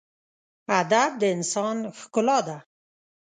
ادب د انسان ښکلا ده.